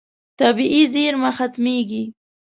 طبیعي زیرمه ختمېږي.